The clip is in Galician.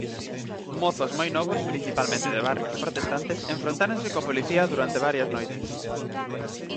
Mozos moi novos, principalmente de barrios protestantes, enfrontáronse coa Policía durante varias noites.